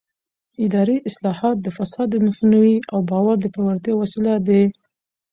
اداري اصلاحات د فساد د مخنیوي او باور د پیاوړتیا وسیله دي